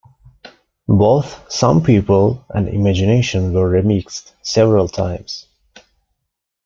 Both "Some People" and "Imagination" were remixed several times.